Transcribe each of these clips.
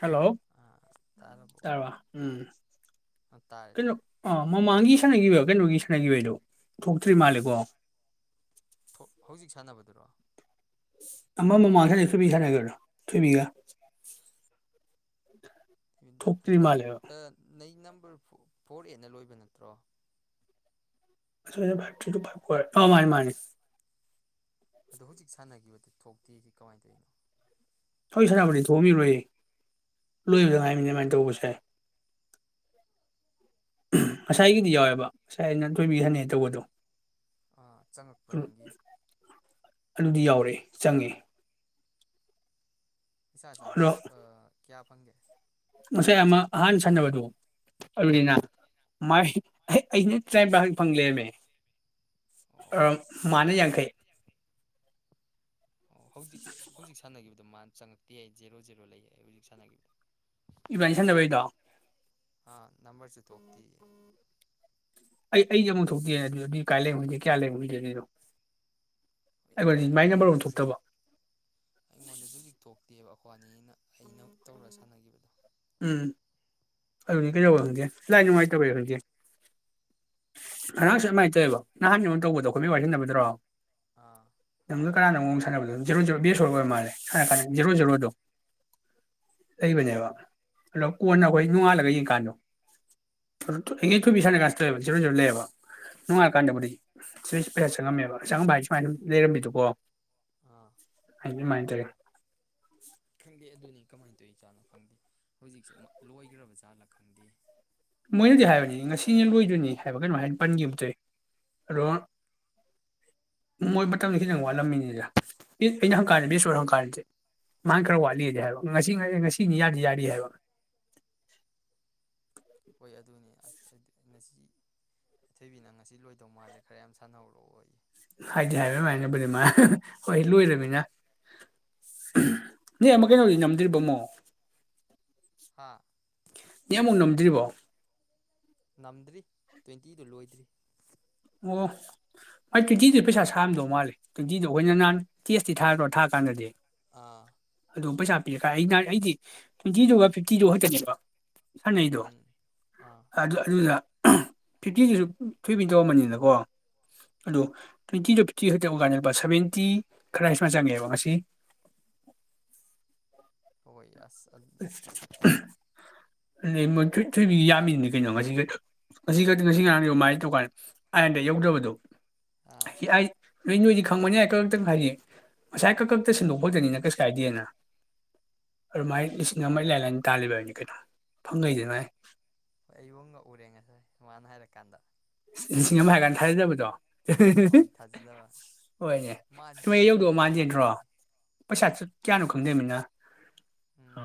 hello ꯑꯥ ꯇꯥꯔꯕꯣ ꯇꯥꯔꯕ꯭ꯔꯥ ꯎꯝ ꯇꯥꯔꯦ ꯀꯩꯅꯣ ꯇꯥꯔꯦ ꯃꯃꯥꯡꯒꯤ ꯁꯥꯟꯅꯈꯤꯕ ꯑꯗꯨꯗꯨꯒꯤ ꯁꯥꯟꯅꯈꯤꯕꯑꯩꯗꯣ ꯍꯥ ꯊꯣꯛ ꯍꯧꯖꯤꯛ ꯁꯥꯟꯅꯕꯗ ꯏꯟꯗ꯭ꯔꯥ ꯑꯃ ꯃꯨꯛ ꯃꯥꯡꯍꯜꯂꯦ ꯊꯣꯏꯕꯤꯒ ꯁꯥꯟꯅꯈꯔꯕꯗꯣ ꯊꯣꯏꯕꯤꯒ ꯊꯣꯛꯇ꯭ꯔꯤ ꯃꯥꯜꯂꯦꯕ ꯑꯩ ꯅꯝꯕꯔ ꯐꯣꯔ ꯑꯦꯅ ꯂꯣꯏꯕ ꯅꯠꯇ꯭ꯔꯣ [unintelligible] ꯃꯥꯅꯤ ꯃꯥꯅꯤ ꯑꯗꯣ ꯍꯧꯖꯤꯛ ꯁꯥꯟꯅꯈꯤꯕꯗꯨ ꯊꯣꯛꯇꯦ ꯀꯃꯥꯏꯅ ꯇꯧꯔꯤꯅꯣ ꯍꯧꯖꯤꯛ ꯁꯥꯟꯕꯗꯤ ꯊꯣꯛꯕꯤꯔꯣꯏꯌꯦ ꯂꯣꯏꯕꯗ ꯉꯥꯏꯃꯤꯅꯤ ꯑꯗꯨꯃꯥꯏꯅ ꯇꯧꯕꯁꯦ ꯉꯁꯥꯏꯒꯤꯗꯤ ꯌꯥꯎꯋꯦꯕ ꯉꯁꯥꯏ ꯑꯩꯅ ꯊꯣꯏꯕꯤ ꯁꯥꯟꯅꯩ ꯇꯧꯕꯗꯣ ꯆꯪꯉꯛꯄ꯭ꯔꯣ ꯅꯪꯒꯤ ꯑꯗꯨꯗꯤ ꯌꯥꯎꯔꯦ ꯆꯪꯉꯦ ꯆ ꯆ ꯑꯗꯣ ꯀꯌꯥ ꯄꯪꯒꯦ ꯉꯁꯥꯏ ꯑꯃ ꯑꯍꯥꯟ ꯁꯥꯟꯅꯕꯗꯨ ꯑꯂꯤꯅꯥ ꯑꯥ ꯃꯥ ꯑꯦ ꯑꯩꯅ ꯇꯔꯥꯅꯤꯄꯈꯛ ꯐꯪ ꯂꯦꯔꯝꯃꯦ ꯑꯣ ꯃꯥꯅ ꯌꯥꯡꯈꯩ ꯑꯣ ꯍꯧꯖꯤꯛ ꯍꯧꯖꯤꯛ ꯁꯥꯟꯅꯈꯤꯕꯗꯣ ꯃꯥ ꯆꯪꯉꯛꯇꯦ ꯌꯥꯏ ꯖꯦꯔꯣ ꯖꯦꯔꯣ ꯂꯩ ꯍꯧꯖꯤꯛ ꯁꯥꯟꯅꯈꯤꯕꯗꯣ ꯏꯚꯦꯟ ꯁꯟꯗꯕꯩꯗꯣ ꯇꯨꯝꯕꯤꯎꯝ ꯑꯩ ꯑꯩꯗꯤ ꯑꯃꯨꯛ ꯊꯣꯛꯇꯦ ꯑꯗꯨ ꯑꯗꯨ ꯀꯥꯏ ꯂꯩꯍꯟꯒꯦ ꯀꯌꯥ ꯂꯩꯍꯟꯒꯦ ꯑꯗꯨꯅꯣ ꯍ ꯑꯗꯨꯅꯤ ꯑꯩ ꯑꯩꯉꯣꯟꯗꯁꯨ ꯍꯧꯖꯤꯛ ꯑꯩꯉꯣꯟꯗꯁꯨ ꯍꯧꯖꯤꯛ ꯊꯣꯛꯇꯦꯕ ꯑꯩꯈꯣꯏ ꯅ ꯑꯩꯅ ꯇꯧꯔ ꯁꯥꯟꯅꯈꯤꯕꯗꯣ ꯎꯝ ꯑꯗꯨꯅꯤ ꯀꯩꯗꯧꯦ ꯈꯪꯗꯦ ꯂꯥꯏ ꯅꯨꯡꯉꯥꯏꯇꯧꯋꯦ ꯈꯪꯗꯦ ꯉꯉꯥꯡꯁꯨ ꯑꯗꯨꯃꯥꯏꯅ ꯇꯧꯋꯦꯕ ꯅꯍꯥꯟ ꯇꯧꯕꯗꯣ ꯑꯩꯈꯣꯏ ꯋꯥꯏꯁꯤꯟꯅꯕꯗ꯭ꯔꯣ ꯑꯥ ꯅꯪꯒ ꯀꯥꯟꯅꯥꯅꯣꯝꯒ ꯁꯥꯟꯅꯕꯗ ꯖꯦꯔꯣ ꯖꯦꯔꯣ ꯕꯦꯁ ꯑꯣꯏꯔ ꯃꯥꯜꯂꯦ ꯁꯥꯔꯥ ꯖꯦꯔꯣ ꯖꯔꯣꯗꯣ ꯂꯩꯕꯅꯦꯕ ꯎꯝ ꯑꯗꯣ ꯀꯣꯟꯅ ꯑꯩꯈꯣꯏ ꯅꯣꯡꯉꯥꯜꯂꯒ ꯌꯦꯡꯀꯥꯟꯗꯣ ꯑꯗ ꯏꯈꯩꯊꯣꯏꯕꯤ ꯁꯥꯟꯅ ꯀꯥꯟꯁꯤ ꯂꯣꯏꯑꯕ ꯁꯤꯔꯣꯏ ꯔꯣꯏ ꯂꯩꯦꯕ ꯅꯣꯡꯉꯥꯜꯂꯀꯥꯟꯗꯕꯨꯗꯤ ꯁꯤꯣꯏ ꯄꯩꯁꯥ ꯆꯪꯉꯝꯃꯦꯕ ꯆꯪꯉꯝꯝꯕ ꯍꯥꯏ ꯁꯨꯃꯥꯏꯅ ꯑꯗꯨꯝ ꯂꯩꯔꯝꯃꯤꯗꯨꯀꯣ ꯑꯥ ꯍꯥꯏ ꯑꯗꯨꯃꯥꯏꯅ ꯇꯧꯋꯦ ꯈꯪꯗꯦ ꯑꯗꯨꯅꯤ ꯀꯃꯥꯏꯅ ꯇꯧꯏ ꯆꯥꯠꯅꯣ ꯈꯪꯗꯦ ꯍꯧꯖꯤꯛꯁꯦ ꯂꯣꯏꯈ꯭ꯔꯕꯖꯥꯠꯂꯣ ꯈꯪꯗꯦ ꯃꯣꯏꯅꯗꯤ ꯍꯥꯏꯕꯅꯤ ꯉꯁꯤꯅꯤ ꯂꯣꯏꯗꯣꯏꯅꯤ ꯍꯥꯏꯕ ꯀꯩꯅꯣ ꯍꯥꯏꯅ ꯄꯟꯈꯤꯕꯈꯤꯕꯗꯏ ꯑꯗꯣ ꯃꯣꯏ ꯃꯇꯝꯗ ꯈꯤꯇꯪ ꯋꯥꯠꯂꯝꯃꯤꯅꯤꯗ ꯑꯩꯅ ꯍꯪꯀꯥꯟꯗ ꯕꯦꯁꯣꯔ ꯍꯪꯀꯥꯟꯁꯦ ꯃꯥ ꯈꯔ ꯋꯥꯠꯂꯤꯗꯤ ꯍꯥꯏꯕ ꯉꯁꯤ ꯉ ꯉꯁꯤꯅꯤ ꯌꯥꯗꯤ ꯌꯥꯔꯤ ꯍꯥꯏꯕ ꯍꯣꯏ ꯑꯗꯨꯅꯤ ꯑꯁ ꯉꯁꯤ ꯏꯊꯣꯏꯕꯤꯅ ꯉꯁꯤ ꯂꯣꯏꯗꯧ ꯃꯥꯜꯂꯦ ꯈꯔ ꯌꯥꯝ ꯁꯥꯟꯅꯧꯔꯛꯑꯣ ꯑꯩ ꯍꯥꯏꯗꯤ ꯍꯥꯏꯕ ꯑꯗꯨ ꯍꯥꯏꯅꯕꯅꯦꯃ ꯍꯣꯏ ꯂꯣꯏꯔꯃꯤꯅ ꯅ ꯑꯃꯛ ꯀꯩꯅꯣꯗꯤ ꯅꯝꯗ꯭ꯔꯤꯕꯃꯣ ꯍꯥ ꯅ ꯑꯃꯨꯛ ꯅꯝꯗ꯭ꯔꯤꯕꯣ ꯉꯝꯗ꯭ꯔꯤ ꯇ꯭ꯋꯦꯟꯇꯤꯗꯨ ꯂꯣꯏꯗ꯭ꯔꯤ ꯑꯣ ꯃꯥꯏ ꯇ꯭ꯋꯦꯟꯇꯤꯗꯨ ꯄꯩꯁꯥ ꯁꯥꯝꯗꯧ ꯃꯥꯜꯦ ꯇ꯭ꯋꯦꯟꯇꯤꯗꯣ ꯑꯩꯈꯣꯏ ꯅꯍꯥꯟ ꯇꯦꯁꯇꯤ ꯊꯥꯗ꯭ꯔꯣ ꯊꯥ ꯀꯥꯟꯗꯗꯤ ꯑꯥ ꯑꯗꯨꯝ ꯄꯩꯁꯥ ꯄꯤꯔꯦ ꯈ ꯑꯩ ꯑꯩꯗꯤ ꯇ꯭ꯋꯦꯟꯇꯤꯗꯨꯒ ꯐꯤꯐꯇꯤꯗꯨ ꯈꯛꯇꯅꯦꯕ ꯁꯥꯟꯅꯩꯗꯣ ꯎꯝ ꯑꯥ ꯑꯗꯨ ꯑꯗꯨꯗ ꯐꯤꯇꯤꯗꯨꯁꯨ ꯊꯣꯏꯕꯤꯟꯗꯧꯑꯝ ꯑꯃꯅꯤꯅꯤꯅ ꯣ ꯑꯗꯣ ꯇ꯭ꯋꯦꯟꯇꯤ ꯇꯨ ꯐꯤꯞꯇꯤ ꯈ ꯇ ꯀꯥꯏꯠꯇ ꯁꯚꯦꯟꯇꯤ ꯈꯔ ꯍꯥꯏꯃ ꯆꯪꯉꯦꯕ ꯉꯁꯤ ꯍ ꯑꯁ ꯑ ꯣꯏꯣꯏ ꯊꯣꯏꯕꯤꯒꯤ ꯌꯥꯝꯃꯤꯗꯨꯅꯤ ꯀꯩꯅꯣ ꯉꯁꯤ ꯈ ꯉꯁꯤ ꯈꯛꯇ ꯉꯁꯤ ꯉꯔꯥꯡꯃꯥꯏ ꯇꯧꯀꯥꯟ ꯑꯥꯏꯟꯗ ꯌꯧꯗꯕꯗꯣ ꯑꯥ ꯑꯩ ꯅꯣꯏ ꯅꯣꯏꯗꯤ ꯈꯪꯕꯅꯤ ꯀ ꯈꯛꯇꯪ ꯍꯥꯏꯗꯤ ꯉꯁꯥꯏ ꯈꯛ ꯈꯛꯇ ꯁꯟꯗꯣꯛ ꯐꯗꯅꯤꯅ ꯀꯩꯁꯨ ꯀꯥꯏꯗꯦꯅ ꯑꯗꯨꯃꯥꯏ ꯂꯤꯁꯤꯡ ꯑꯃ ꯏꯂꯥꯏ ꯂꯥꯏꯅ ꯇꯥꯜꯂꯤꯕꯅꯤ ꯀꯩꯅꯣ ꯐꯪꯉꯩꯗꯅꯥꯏ ꯍꯣꯏ ꯑꯩ ꯌꯣꯟꯒ ꯎꯔꯦ ꯉꯁꯥꯏ ꯃꯥꯃꯅ ꯍꯥꯏꯔꯀꯥꯟꯗ ꯂꯤꯁꯤꯡ ꯑꯃ ꯍꯥꯏꯀꯥꯟꯗ ꯊꯥꯖꯗꯕꯗꯣ ꯍꯣꯏ ꯊꯥꯖꯗꯕ ꯍꯣꯏꯅꯦ ꯃꯥꯗꯤ ꯑꯗꯨꯃ ꯁꯤꯗꯁꯨ ꯌꯧꯗꯣꯛꯑ ꯐꯖꯅ ꯃꯥꯟꯖꯗ꯭ꯔꯣ ꯅꯝꯕꯅꯦ ꯄꯩꯁꯥ ꯀꯌꯥꯅꯣ ꯈꯪꯗꯃꯤꯅ ꯑ ꯎꯝ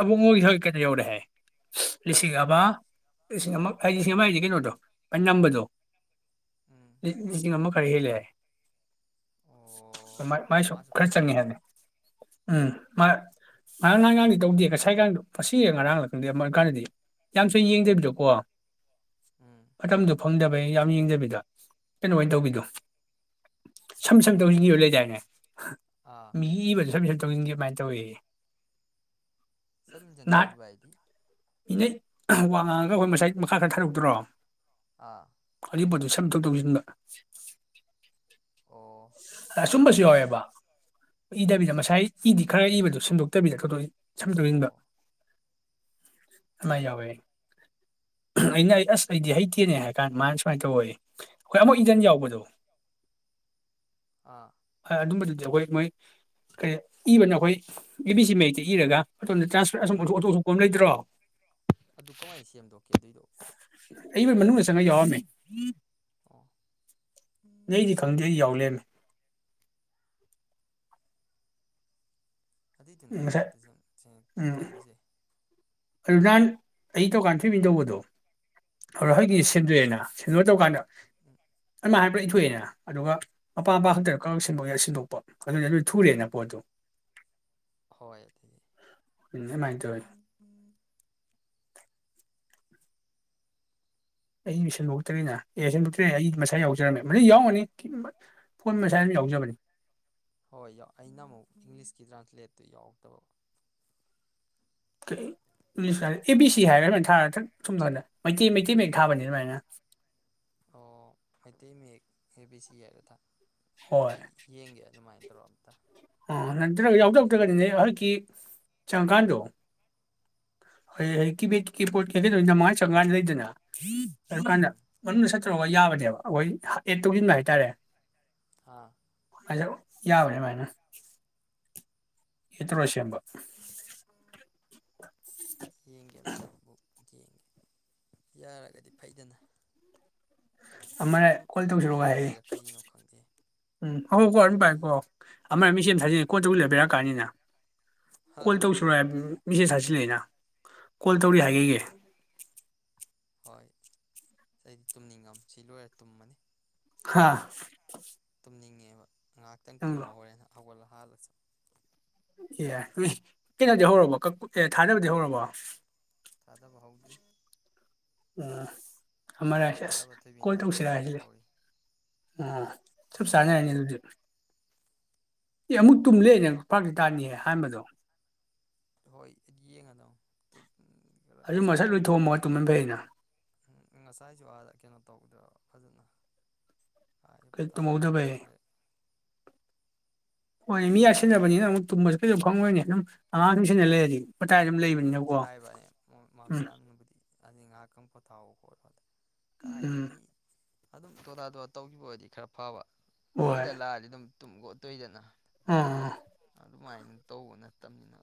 ꯑꯕꯣꯛ ꯃꯣꯏꯒꯤ ꯊꯒꯛ ꯀꯩꯗ ꯌꯧꯔꯦ ꯍꯥꯏ ꯂꯤꯁꯤꯡ ꯀꯌꯥ ꯑꯃ ꯁꯤꯡ ꯑꯃ ꯍꯥꯏꯁꯤꯦ ꯁꯤ ꯑꯃ ꯍꯥꯏꯁꯤ ꯀꯩꯅꯣꯗꯣ ꯑꯩ ꯅꯝꯕꯗꯣ ꯎꯝ ꯂꯤꯁꯤꯡ ꯑꯃ ꯈꯔ ꯍꯦꯜꯂꯦꯔꯦ ꯑꯣ ꯃꯥꯏꯁꯨ ꯃꯥꯁꯨ ꯈꯔ ꯐꯖꯅ ꯆꯪꯉꯦ ꯍꯥꯏꯅꯤ ꯅꯝꯃꯝꯒꯅꯤ ꯎꯝ ꯉꯔꯥꯡ ꯅꯍꯒꯥꯡꯗꯤ ꯇꯧꯗꯦ ꯉꯁꯥꯏꯀꯗꯣ ꯃꯁꯤ ꯉꯔꯥꯡ ꯂꯥꯛ ꯈꯪꯗꯦ ꯑꯃ ꯑꯣꯏꯀꯥꯟꯗꯗꯤ ꯌꯥꯝ ꯁꯨꯝ ꯎꯝ ꯌꯦꯡꯖꯕꯤꯔꯣꯀꯣ ꯎꯝ ꯐꯪꯗꯕꯩ ꯌꯥꯝ ꯌꯦꯡꯗꯕꯤꯗ ꯀꯩꯅꯣꯃꯅ ꯇꯧꯕꯤꯗꯣ ꯁꯝ ꯁꯝ ꯇꯧꯁꯤꯟꯈꯤꯕ ꯂꯩꯗꯥꯏꯅꯦ ꯑꯥ ꯃꯤ ꯏꯕ ꯇꯅꯤꯡꯒꯤ ꯀꯃꯥꯏꯅ ꯇꯧꯋꯤ ꯆꯠꯃꯤꯟꯁꯟ ꯇꯧꯈꯤꯕ ꯍꯥꯏꯗꯤ ꯃꯤꯅꯦꯩ ꯋꯥꯡ ꯉꯥꯡꯉꯒ ꯑꯩꯈꯣꯏ ꯉꯁꯥꯏ ꯃꯈꯥ ꯈꯔ ꯊꯥꯔꯛꯇ꯭ꯔꯣ ꯑꯥ ꯁ ꯇꯧ ꯇꯧꯁꯤꯅ ꯑꯣ ꯁꯨꯝꯕꯁꯨ ꯌꯥꯎꯋꯦꯕ ꯏꯗꯕꯤꯗ ꯏꯗꯕꯤꯗ ꯃꯁꯥꯏ ꯏꯗꯤ ꯈꯔ ꯏꯕꯗꯨꯣ ꯁꯦꯝꯗꯣꯛꯇꯕꯤꯗ ꯊꯣꯏꯗꯣꯛꯏ ꯁꯝ ꯇꯣꯛꯅꯤꯡꯕ ꯑꯣ ꯀꯃꯥꯏ ꯌꯥꯎꯋꯦ ꯑꯩꯅ ꯑꯩ ꯑꯁ ꯑꯩꯗꯤ ꯍꯩꯇ ꯀꯦꯅꯦ ꯍꯥꯏ ꯀꯥꯟꯗ ꯃꯥꯅ ꯁꯨꯃꯥꯏꯅ ꯇꯧꯦ ꯑꯩꯈꯣꯏ ꯑꯃꯨꯛ ꯏꯟꯗꯟ ꯌꯥꯎꯕꯗꯣ ꯑꯥ ꯑꯗꯨꯕ ꯑꯗ ꯑꯩꯈꯣꯏ ꯃꯣꯏ ꯀꯔꯤ ꯏꯕꯅ ꯑꯩꯈꯣꯏ ꯑꯦ ꯕꯤ ꯁꯤ ꯃꯌꯦꯛꯇ ꯏꯔꯒ ꯑꯗꯨꯗ ꯎꯝ ꯇ꯭ꯔꯥꯟꯁꯄꯠꯁꯣꯛꯊꯣꯛ ꯁꯣꯛꯄ ꯑꯃ ꯂꯩꯇ꯭ꯔꯣ ꯑꯗꯨ ꯀꯃꯥꯏꯅ ꯁꯦꯝꯗꯣꯛꯀꯦ ꯑꯗꯨꯏꯗꯣ ꯑꯩ ꯃꯦꯅꯨ ꯌꯦꯁꯪꯒ ꯌꯥꯎꯃꯦ ꯑꯣ ꯎꯝ ꯅꯗꯤ ꯈꯪꯗꯦ ꯎꯝ ꯑꯩ ꯌꯥꯎꯂꯦꯝꯃꯤ ꯑꯗꯨꯏꯗꯨꯅꯦ ꯑꯩꯩꯅ ꯉꯁꯥꯏ ꯑꯝꯇ ꯈꯜꯂꯤꯁꯦ ꯑꯗꯨꯂꯨꯅꯥꯟ ꯑꯩ ꯇꯧꯀꯥꯟ ꯊꯣꯏꯕꯤꯟ ꯇꯧꯕꯗꯣ ꯍ ꯍꯣꯏꯒꯤ ꯑꯥ ꯁꯟꯗꯣꯛꯑꯦꯅ ꯁꯟꯗꯣꯏ ꯇꯧꯀꯥꯟꯗ ꯎꯝ ꯑ ꯍꯥꯏ ꯄꯨꯔꯥ ꯏꯊꯣꯛꯑꯦꯅ ꯑꯗꯨꯒ ꯃꯄꯥ ꯃꯄꯥ ꯎꯝ ꯈꯛꯇꯗꯣꯛ ꯁꯤꯟꯗꯣꯛꯄ ꯑꯗꯨ ꯑꯗꯨ ꯊꯨꯔꯦꯅ ꯄꯣꯠꯇꯣ ꯍꯣꯏ ꯑꯗꯨꯗꯤ ꯑꯗꯨꯃꯥꯏꯅ ꯇꯧꯋꯤ ꯑꯩ ꯁꯟꯗꯣꯛꯇꯔꯤꯦꯅꯦ ꯑꯦ ꯁꯟꯗꯣꯛꯇ꯭ꯔꯦ ꯑꯩ ꯃꯁꯥ ꯌꯥꯎꯖꯔꯝꯃꯦ ꯃ ꯌꯥꯎꯔꯅꯤ ꯐꯣꯟ ꯃꯁꯥ ꯑꯗꯨꯝ ꯌꯥꯎꯖꯕꯅꯤ ꯍꯣꯏ ꯑꯩꯅ ꯑꯃꯨꯛ ꯏꯪꯂꯤꯁꯀꯤ ꯇ꯭ꯔꯥꯟꯁꯂꯦꯠꯇꯨ ꯌꯥꯎꯗꯕ ꯑꯦ ꯕꯤ ꯁꯤ ꯍꯥꯏꯔꯒ ꯁꯃꯥꯏꯅ ꯊꯥ ꯁꯨꯝꯧꯗ ꯃꯩꯇꯩ ꯃꯩꯇꯩ ꯃꯌꯦꯛ ꯊꯥꯕꯅꯤ ꯑꯗꯨꯃꯥꯏꯅ ꯑꯣ ꯃꯩꯇꯩ ꯃꯌꯦꯛ ꯍꯦꯕꯤ ꯁꯤ ꯌꯥꯏꯗ ꯊ ꯍꯣꯏ ꯑꯩ ꯌꯦꯡꯒꯦ ꯑꯗꯨꯃꯥꯏꯅ ꯇ꯭ꯔꯣꯕꯗ ꯑꯣ ꯅꯠꯇ꯭ꯔꯒ ꯌꯥꯎꯗꯧꯗ꯭ꯔꯒꯗꯤꯅꯦ ꯍꯧꯖꯤꯛꯀꯤ ꯆꯪꯉꯀꯥꯟꯗꯣ ꯀꯤꯕꯣꯔꯗ ꯀꯩꯀꯩꯗꯣ ꯅꯃꯉꯥꯅ ꯆꯪꯉꯀꯥꯟꯗ ꯂꯩꯗꯅ ꯑꯗꯨ ꯀꯥꯟꯗ ꯎꯝ ꯃꯅꯨꯡꯗ ꯆꯠꯇꯨꯔꯒ ꯌꯥꯕꯅꯦꯕ ꯑꯩꯈꯣꯏ ꯑꯦꯠ ꯇꯧꯁꯤꯟꯕ ꯍꯥꯏꯇꯥꯔꯦ ꯍꯥꯥ ꯑꯗ ꯌꯥꯕ꯭ꯔꯦ ꯃꯥꯥꯏꯅ ꯏ꯭ꯔꯁꯤꯝꯕ ꯌꯦꯡꯒꯤꯇꯕꯨ ꯌꯦꯡꯉꯤ ꯌꯥꯔꯒꯗꯤ ꯐꯩꯗꯅ ꯑꯃꯔ ꯃꯇꯝ ꯀꯣꯜ ꯇꯧꯁꯤꯔꯛꯑꯣ ꯍꯥꯏꯌꯦ ꯂꯣꯏꯈ꯭ꯔꯕꯩꯔꯥ ꯀꯩꯒꯤꯅꯣ ꯈꯪꯗꯦ ꯎꯝ ꯍ ꯍꯣꯏꯀꯣ ꯑꯗꯨꯝ ꯀꯔꯤ ꯄꯥꯏꯀꯣ ꯑꯃꯔ ꯃꯤ ꯁꯦꯝ ꯎꯝ ꯊꯥꯖꯤꯟ ꯀꯣꯠꯇꯨ ꯂꯩꯕꯤꯔꯛꯀꯥꯟꯅꯤꯅ ꯀꯣꯜ ꯇꯧ ꯁ ꯃꯦꯁꯦꯖ ꯍꯥꯆꯤꯜꯂꯛꯑꯅ ꯀꯣꯜ ꯇꯧꯔꯤ ꯍꯥꯏꯒꯒꯦ ꯍꯣꯏ ꯑꯩꯗꯤ ꯇꯨꯝꯅꯤꯡꯉꯝ ꯁꯤ ꯂꯣꯏꯔ ꯇꯨꯝꯃꯅꯤ ꯍꯥꯥ ꯊꯝꯅꯤꯡꯉꯦꯕ ꯉꯥꯏꯍꯥꯛꯇꯪ ꯇꯨꯝꯃ ꯍꯣꯔꯦꯅ ꯍꯧꯒꯠꯂꯒ ꯐꯜ ꯑꯦ ꯀꯩꯅꯣꯗꯤ ꯍꯧꯔꯕꯣ ꯑꯦ ꯊꯥꯗꯅꯕꯗꯤ ꯍꯧꯔꯕꯣ ꯆꯥꯗꯕ ꯍꯥꯎꯗ꯭ꯔꯤ ꯑ ꯑꯔ ꯍꯥꯏꯁꯤꯦꯁ ꯊꯥꯗꯕ ꯊꯣꯏꯕꯤꯅ ꯀꯣꯜ ꯇꯧꯁꯤꯔ ꯊꯥꯗꯗꯧꯔꯤ ꯍꯥꯏꯁꯤꯦ ꯇꯧꯔꯤ ꯑ ꯆ ꯆꯉꯦ ꯍꯥꯏꯅꯤ ꯑꯗꯨꯗꯤ ꯑꯦ ꯑꯃꯨꯛ ꯇꯨꯝꯂꯦꯅꯦ ꯄꯥꯛꯇꯤ ꯇꯥꯅꯤꯍ ꯑꯍꯥꯟꯕꯗꯣ ꯍꯣꯏ ꯌꯦꯡꯉꯥꯗꯣꯅ ꯠ ꯑꯗꯨ ꯃꯁꯠ ꯂꯣꯏꯊꯩ ꯑꯃꯥ ꯇꯨꯝꯕꯅꯥ ꯐꯩꯩꯅ ꯎꯝ ꯉꯁꯥꯏꯁꯨ ꯑꯥꯅꯥ ꯀꯩꯅꯣ ꯇꯧꯗꯕ ꯐꯖꯅ ꯑꯩꯗ ꯀꯩ ꯄꯊꯥꯗ ꯇꯨꯝꯍꯧꯗꯕꯩ ꯐꯪꯗꯦ ꯍꯣꯏꯅꯦ ꯃꯤ ꯌꯥ ꯁꯤꯟꯅꯕꯅꯤꯅ ꯑꯃꯨꯛ ꯇꯨꯝꯕꯁꯨ ꯀꯩꯁꯨ ꯐꯉꯣꯏꯅꯦ ꯑꯗꯨꯝ ꯑꯉꯥꯡꯁꯨꯝ ꯁꯩꯅꯥ ꯂꯩꯔꯗꯤ ꯃꯇꯥꯏ ꯑꯗꯨꯝ ꯃꯣꯏꯗꯤ ꯂꯩꯕꯅꯤꯅꯀꯣ ꯍꯥꯏꯕꯅꯤ ꯎꯝ ꯃꯝꯆꯥꯅꯕꯨꯗꯤ ꯑꯅꯤ ꯉꯥꯏꯍꯥꯛꯇꯪ ꯄꯣꯊꯥꯎ ꯀꯔꯥꯏꯗꯒꯤ ꯎꯝ ꯃꯤ ꯑꯗꯨꯝ ꯇꯣꯗꯥꯥ ꯇꯣꯂꯥ ꯇꯧꯒꯤꯕ ꯑꯣꯏꯗꯤ ꯈꯔ ꯐꯥꯕ ꯍꯣꯏꯗ ꯂꯛꯑꯗꯤ ꯑꯗꯨꯝ ꯇꯨꯝꯒꯠꯇꯣꯏꯗꯅ ꯎꯝ ꯑꯗꯨꯃꯥꯏꯅ ꯇꯧꯕ ꯅꯠꯇꯕꯅꯤꯅ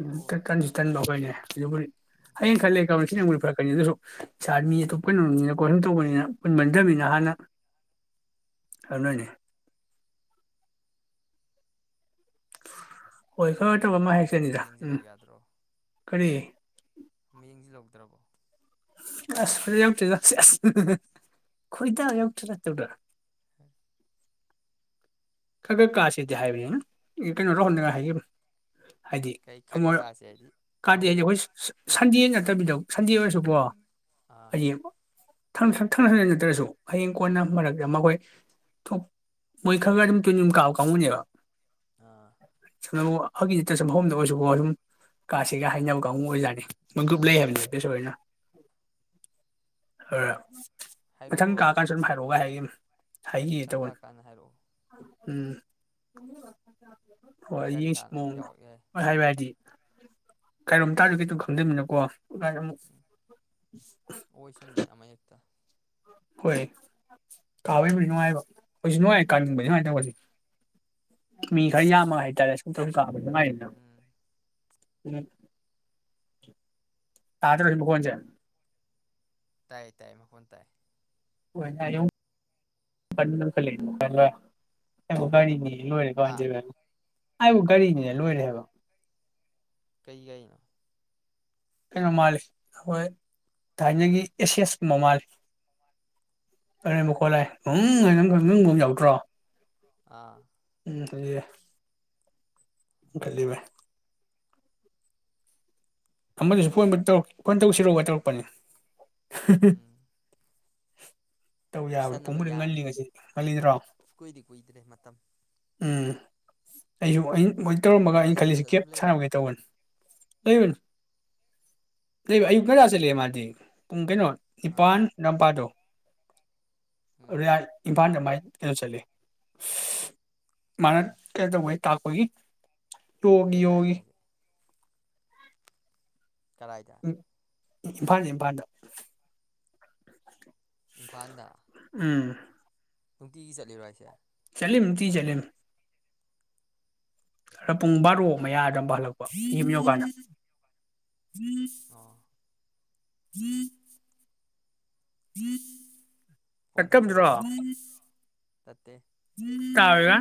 ꯎ ꯀ꯭ꯂꯣ ꯀ ꯀꯅꯤ ꯊꯟꯕ ꯍꯣꯏꯅꯦ ꯑꯣꯏꯗꯕꯅꯤ ꯑꯗꯨꯕꯨ ꯍꯌꯦꯡ ꯈꯜꯂꯦ ꯀ ꯁꯤꯅꯕꯨꯗꯤ ꯐꯔꯛꯀꯅꯤ ꯑꯗꯨꯁꯨ ꯁꯥꯔ ꯃꯤ ꯑꯇꯣꯞ ꯎꯝ ꯀꯩꯅꯣꯅꯤꯅ ꯀꯣ ꯁꯨꯝꯇꯎꯄꯥꯅꯦꯅ ꯄꯨꯅꯕꯥ ꯅꯥꯇꯥ ꯃꯤꯅꯤ ꯍꯥꯅꯥ ꯑꯗꯨꯅꯥꯅꯤ ꯍꯣꯏ ꯅꯍꯥꯟ ꯀꯩꯅꯣ ꯈꯔꯥꯇꯧꯃꯥꯏꯟ ꯇꯧꯔꯤꯉꯥꯏ ꯑꯃ ꯍꯥꯏꯦꯛꯆꯥꯅꯤꯗ ꯎꯝ ꯌꯦꯡꯁꯤꯜꯍꯧ ꯀꯔꯤ ꯃꯥ ꯌꯦꯡꯖꯤ ꯂꯧꯗ꯭ꯔꯕꯣ ꯑꯁ ꯐꯖꯥ ꯌꯥꯑꯣꯇꯦꯗꯥ ꯁꯦꯁ ꯍꯨ ꯍꯨ ꯍꯨ ꯌꯥꯑꯣꯇꯦꯗ ꯇꯧꯗ ꯈꯔ ꯈꯔ ꯀꯥꯁꯤꯗꯤ ꯍꯥꯏꯕꯅꯤ ꯀꯩꯅꯣ ꯔꯍꯨꯜ ꯅꯥ ꯃꯥꯌ ꯍꯥꯏꯖꯕ ꯍꯥꯏꯗꯤ ꯀꯩ ꯈꯛ ꯑꯃꯑꯣ ꯀꯥꯁꯦ ꯍꯥꯏꯗꯤ ꯀꯥꯗ ꯑꯃꯨꯛ ꯍꯥꯏꯗꯩ ꯁꯤꯟꯗꯥꯏ ꯅꯥꯇꯕꯤꯗ ꯁꯨꯟꯗꯥꯏ ꯑꯣꯏꯔꯁꯨ ꯀꯦ ꯑꯥ ꯍꯥꯏꯗꯤ ꯊꯅꯥ ꯊꯥꯅꯥ ꯊꯥꯅꯊꯅꯥ ꯅꯥꯠꯔꯁꯨ ꯍꯌꯤꯡ ꯀꯣꯟꯅ ꯎꯝ ꯃꯔꯛ ꯑꯃꯥ ꯍꯣꯌ ꯊꯣꯀ ꯀꯣꯏ ꯈꯔꯥ ꯈꯔꯥ ꯑꯗꯨꯝ ꯇꯨꯅꯤꯕ ꯀꯥꯕꯥ ꯀꯟꯒꯨꯅꯦꯕꯥ ꯑꯥ [inaudible] ꯍꯧꯒꯤ ꯇꯥꯁꯥ ꯍꯧꯃꯗꯨ ꯁꯠꯇꯁꯨ ꯀꯦ ꯀꯥꯥꯁꯒ ꯍꯥꯏꯅꯕ ꯀꯥꯑꯣ ꯑꯣꯏꯔꯛꯠꯅꯤ ꯃꯀ꯭ꯔꯨ ꯎꯝ ꯕꯦ ꯍꯥꯏꯕꯅꯤ ꯕꯤꯁꯦ ꯍꯣꯏꯅꯥ ꯃꯊꯡ ꯀꯥꯀꯟꯁꯨ ꯑꯗꯨꯝ ꯍꯤꯔꯣꯒꯥ ꯍꯥꯏꯒꯦꯃꯤ [inaudible] ꯃꯊꯡ ꯀꯥ ꯀꯟ ꯍꯥꯏꯔꯛꯑꯣ ꯎꯝ ꯍꯣꯏ ꯒꯥꯔꯤ ꯌꯦꯡꯁꯤ ꯍꯥꯡꯉꯗꯤ ꯃꯑꯣꯡꯗꯤ ꯌꯥꯎꯔꯛ ꯌꯥꯏ ꯍꯥ ꯍꯥꯏꯕ ꯍꯥꯏꯗꯤ ꯀꯩꯔꯣꯝ ꯇꯥꯗꯦ ꯒꯤꯗꯨ ꯈꯪꯗꯃꯤꯅꯀꯣ ꯉꯥꯗꯨꯝ ꯎꯝ ꯑꯣꯏꯁꯅꯨꯅꯦ ꯑꯃ ꯍꯦꯛꯇ ꯍꯣꯏ ꯀꯥꯕꯩꯕꯨꯗꯤ ꯅꯨꯪꯉꯥꯏꯕꯥ ꯑꯩꯈꯣꯏꯁꯨ ꯅꯨꯉꯥꯏ ꯀꯪꯕ ꯁꯨꯃꯥꯏꯅ ꯇꯧꯕꯁꯦ ꯃꯤ ꯈꯔ ꯌꯥꯝꯃꯒ ꯍꯥꯏꯇꯥꯔꯦ ꯁꯨꯝ ꯁꯨꯝ ꯀꯥꯕ ꯑꯗꯨꯉꯥꯏꯗꯅ ꯎꯝ ꯇꯥꯗ꯭ꯔꯁꯨ ꯃꯈꯣꯟꯜꯁꯦ ꯇꯥꯏ ꯇꯥꯏꯌꯦ ꯃꯈ ꯇꯥꯏ ꯍꯅꯤ ꯏꯅꯦꯀꯣ ꯍꯥ ꯑꯖ ꯄꯔꯦ ꯑꯩꯕꯨ ꯒꯥꯔꯤꯅꯤꯅꯦ ꯂꯣꯏꯔꯦꯕ ꯀꯩ ꯑꯅꯣ ꯀꯩꯅꯣ ꯃꯥꯜꯂꯤ ꯑꯩꯈꯣꯏ ꯊꯥꯏꯅꯒꯤ ꯑꯦꯁꯦꯁꯀꯨꯝꯕ ꯃꯥꯜꯂꯤ ꯑꯔꯦꯝꯕ ꯈꯣꯠꯂꯪ ꯈꯪꯪꯒꯨꯝ ꯌꯥꯎꯗ꯭ꯔꯣ ꯑ ꯎꯝꯦ ꯈꯕ ꯑꯃꯗꯨꯁꯨ ꯐꯣꯟ ꯐꯣꯟ ꯇꯧꯁꯤꯔꯣꯕ ꯇꯧꯔꯛꯄꯅꯤ ꯎꯝ ꯇꯧ ꯌꯥꯕ꯭ꯔꯥ ꯐꯨꯁꯟꯅꯕ ꯄꯨꯡꯕꯨꯗꯤ ꯌꯥꯅꯤ ꯉꯜꯂꯤ ꯉꯁꯤ ꯀꯨꯏ ꯉꯜꯂꯤꯗ꯭ꯔꯣ ꯀꯨꯏꯗꯤ ꯀꯨꯏꯗ꯭ꯔꯦ ꯃꯇꯝ ꯎꯝ ꯑꯩꯌꯨ ꯑ ꯃꯥ ꯇꯧꯔꯝꯃꯒꯩꯅ ꯈꯜꯂꯤꯁꯤꯦ ꯌꯨꯝꯗ ꯀꯦꯞ ꯑꯗꯨꯝ ꯂꯩꯔꯕꯣ ꯁꯥꯟꯅꯕꯒꯩ ꯇꯧꯕꯅꯤ ꯂꯩꯕꯅ ꯂꯩ ꯑꯌꯨꯛ ꯀꯅꯥ ꯆꯠ ꯃꯥꯗꯤ ꯄꯨꯡ ꯀꯩꯅꯣ ꯑꯥ ꯅꯤꯄꯥꯟ ꯅꯄꯥꯥꯗꯣ ꯎꯝ ꯑꯣ ꯄꯥꯟꯗ ꯃꯥꯥꯏ ꯌꯦꯅꯣ ꯆꯂꯦ ꯃꯥꯅ ꯀꯩ ꯇꯧꯕ ꯇꯈꯣꯏ ꯇꯒ ꯀꯩ ꯍꯒ ꯇꯥꯛꯏꯅꯣ ꯍꯥꯏꯁꯦ ꯀꯔꯥꯏꯗ ꯏꯝꯐꯥꯟ ꯏꯝꯐꯥꯟꯗ ꯏꯝꯐꯥꯜꯗ ꯎꯝ ꯅꯨꯡꯇꯤꯒꯤ ꯆꯠꯂꯤꯔꯣ ꯑꯩꯁꯦ ꯆꯂꯤꯝ ꯇ ꯆꯂꯤꯝ ꯈꯔ ꯄꯨꯡ ꯕꯥꯔꯣ ꯃꯌꯥꯗꯝꯕ ꯍꯜꯂꯛꯄ ꯌꯨꯝ ꯌꯧꯀꯥꯟꯗ ꯎꯝ ꯑꯣ ꯍ ꯍ ꯐꯣꯟ ꯀꯀꯝꯖ꯭ꯔꯣ ꯇꯧꯁꯤꯜꯂꯛꯏꯔꯥ ꯅꯠꯇꯦ ꯇꯥꯕꯒ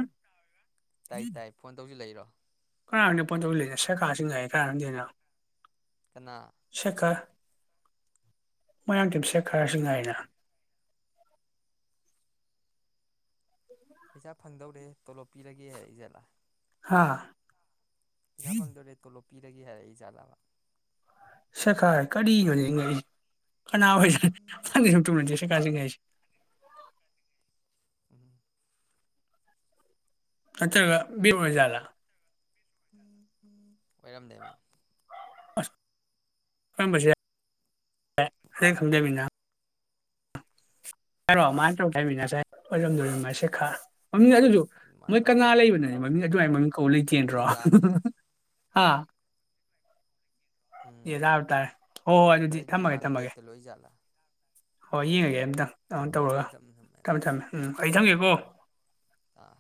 ꯇꯥꯏ ꯇꯥꯏ ꯐꯣꯟ ꯇꯧꯁꯨ ꯂꯩꯔꯣ ꯀꯅꯥꯣꯠꯇꯧ ꯂ ꯂꯩꯖꯁꯦ ꯀꯥꯁꯤꯡꯤꯡ ꯉ ꯀꯔꯗꯅ ꯀꯅꯥ ꯁꯦꯀꯥ ꯃꯌꯥꯝ ꯇꯝꯁꯦ ꯈꯔꯁꯨ ꯉꯥꯏꯅ ꯄꯩꯁꯥ ꯐꯪꯗꯧꯔꯦ ꯇꯣꯂꯣꯞ ꯄꯤꯔꯒꯦ ꯍꯥꯏꯔꯛꯏ ꯖꯥꯠꯂꯥ ꯍꯥꯥ ꯄꯁꯥꯄꯗꯔꯦꯇꯣꯂ ꯄꯤꯔꯒꯦ ꯍꯥꯏꯔꯛꯏꯖꯥꯠꯂꯥꯕ ꯁꯦꯈꯥꯏ ꯀꯔꯤ ꯌꯉ ꯀꯅꯥ ꯐꯩꯁꯅ ꯑꯪ ꯁꯨꯝ ꯇꯗꯤꯦꯁꯨ ꯀꯥꯖꯟ ꯉꯒꯥꯏꯁꯦ ꯎꯝ ꯑꯆ ꯂ ꯑꯣꯏꯔꯝꯗꯦꯕ ꯊꯝꯕꯁꯦ ꯑꯗꯨ ꯁꯝꯖꯕꯅ ꯍꯥꯏꯔꯣ ꯃꯥꯥꯏꯅ ꯇꯧꯊ ꯍꯥꯏꯃꯤ ꯉꯁꯥꯏꯖꯣꯝꯗꯝ ꯃꯁ ꯈꯥ ꯃꯃꯤꯡ ꯍꯣꯏ ꯑꯗꯨꯁꯨ ꯑꯗꯨꯃꯥꯏꯅ ꯃꯣꯏ ꯇꯧꯔꯛꯀꯦ ꯀꯪꯂꯥ ꯑꯗꯨꯃꯥꯏꯅ ꯂꯩꯕꯅꯅꯦ ꯃꯃꯤꯡ ꯇꯧꯁꯤꯜꯂꯛꯏ ꯑꯗꯨꯃꯥꯏꯅ ꯑꯣꯏꯔꯝꯅꯤ ꯃꯃꯤꯡ ꯀꯧꯕꯧ ꯂꯩꯇꯦꯟꯗ꯭ꯔꯣ ꯄꯨꯡꯕꯨꯗꯤ ꯇꯥꯔꯦ ꯍꯥ [unintelligible] ꯎꯝ ꯑꯦ ꯇꯥꯔ ꯇꯥꯔꯦ ꯍꯣꯏ ꯍꯣꯏ ꯑꯗꯨꯗꯤ ꯂꯥꯏꯔꯤꯛꯇꯤ ꯊꯝꯃꯒꯦ ꯃꯥ ꯊꯝꯃꯒꯦ ꯕ꯭ꯂꯦꯛꯇ ꯂꯣꯏꯖꯥꯠꯂꯥ ꯍꯣꯏ ꯌꯦꯡꯉꯒꯦ ꯑꯇ ꯑ ꯍꯣꯏ ꯇꯧꯔꯒ ꯍꯣꯏ ꯑꯗꯨ ꯊꯝꯃꯦ ꯊꯝꯃꯦ ꯎꯝ ꯌꯦꯡꯉꯣ ꯑꯩ ꯊꯝꯒꯦꯀꯣ ꯎꯝ ꯑꯥ